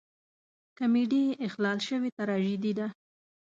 کمیډي اخلال شوې تراژیدي ده.